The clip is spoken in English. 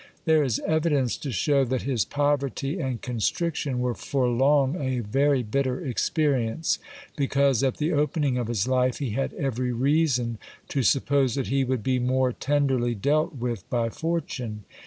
There is evidence to show that his poverty and constriction were for long a very I ' bitter experience, because at the opening of his life he had every reason to suppose that he would be more tenderly dealt with by fortune.